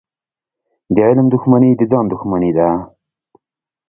د علم دښمني د ځان دښمني ده.